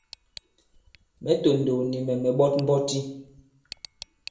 Mɛ̌ tòndòw, nì mɛ̀ mɛ̀ ɓɔt mbɔti.